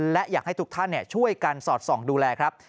และอยากให้ทุกท่านช่วยกันสอดส่องดูแลครับ